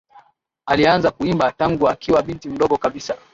Alianza kuimba tangu akiwa binti mdogo kabisa